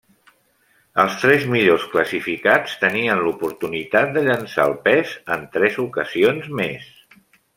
Els tres millors classificats tenien l’oportunitat de llençar el pes en tres ocasions més.